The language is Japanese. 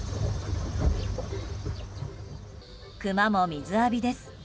クマも水浴びです。